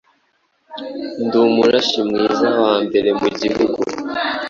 Nd’umurashi mwiza wambere mugihugu